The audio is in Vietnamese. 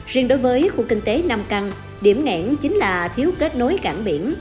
riêng đối với khu kinh tế nam căng điểm ngẽn chính là thiếu kết nối cảng biển